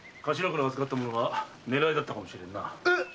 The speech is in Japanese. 頭から預かった物が狙いだったのかもしれんな。